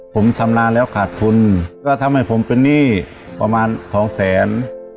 ผมชำนาญแล้วขาดทุนก็ทำให้ผมเป็นหนี้ประมาณสองแสน